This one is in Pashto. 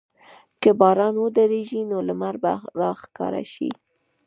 که باران ودریږي، نو لمر به راښکاره شي.